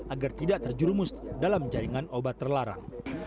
agar tidak terjerumus dalam jaringan obat terlarang